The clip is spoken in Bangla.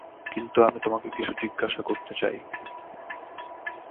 কিন্তু আমি তোমাকে কিছু জিজ্ঞাসা করতে চাই।